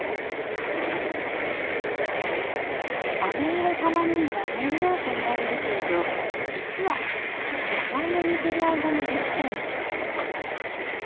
あめ色たまねぎは面倒といわれるけれど実は野菜を煮てる間にできちゃいます。